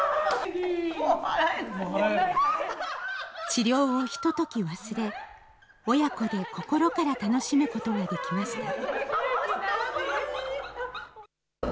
治療をひととき忘れ、親子で心から楽しむことができました。